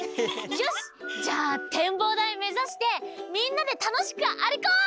よしじゃあてんぼうだいめざしてみんなでたのしくあるこう！